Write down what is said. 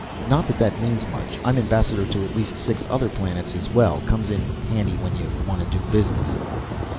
"Not that that means much, I'm ambassador to at least six other planets as well. Comes in handy when you want to do business."